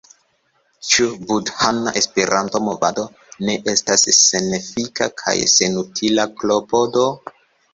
Ĉu budhana Esperanto-movado ne estas senefika kaj senutila klopodo?